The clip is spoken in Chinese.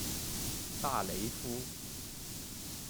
大雷夫。